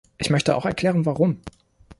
Ich möchte auch erklären, warum.